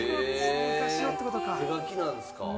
手書きなんすか？